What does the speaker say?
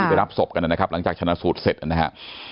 ไปรับศพกันนะครับหลังจากชนะสูตรเสร็จนะครับ